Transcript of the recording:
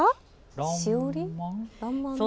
しおり？